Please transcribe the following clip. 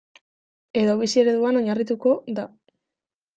Edo bizi ereduan oinarrituko da.